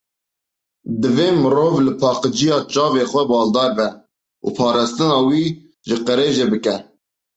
Divê mirov li paqijiya çavê xwe baldar be û parastina wî ji qirêjê bike.